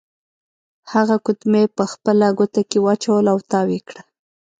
هغه ګوتمۍ په خپله ګوته کې واچوله او تاو یې کړه.